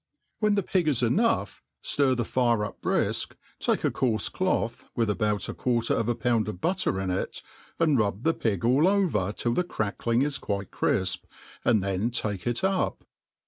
When the pig is cnou^h^ ftij the fire up brifk ; take a coarfe clothj with about a quarter of a pound of butter iti.it, and rub the pig a) 1 over till the crackling is quite crifp, and then take it up.